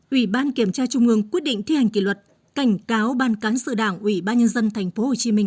ubnd tp quyết định thi hành kỳ luật cảnh cáo ban cán sự đảng ubnd tp hồ chí minh